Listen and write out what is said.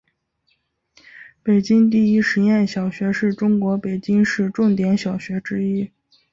北京第一实验小学是中国北京市重点小学之一。